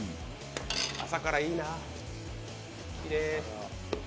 朝からいいな。